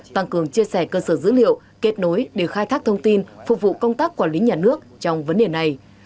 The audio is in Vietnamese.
tăng cường chia sẻ cơ sở dữ liệu kết nối để khai thác thông tin phục vụ công tác quản lý nhà nước trong vấn đề này